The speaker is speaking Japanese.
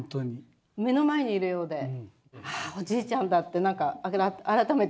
目の前にいるようでああおじいちゃんだって何か改めて。